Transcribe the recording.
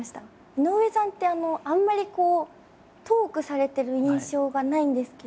井上さんってあんまりこうトークされてる印象がないんですけど。